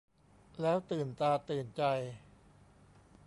แล้วตื่นตาตื่นใจ